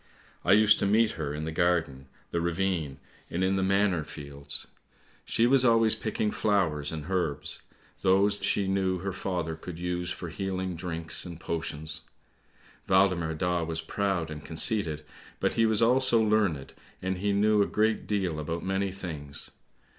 I used to meet her in the garden, the ravine, and in the manor 180 ANDERSEN'S FAIRY TALES fields. She was always picking flowers and herbs, those she knew her father could use for healing drinks and potions. Waldemar Daa was proud and conceited, but he was also learned, and he knew a great deal about many things.